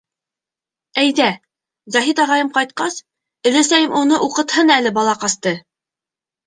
— Әйҙә, Заһит ағайым ҡайтҡас, өләсәйем уны уҡытһын әле балаҡасты.